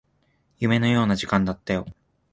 夢のような時間だったよ